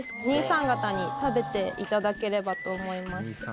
兄さん方に食べていただければと思います。